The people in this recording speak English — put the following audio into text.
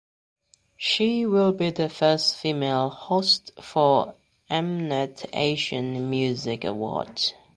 She will be the first female host for Mnet Asian Music Awards.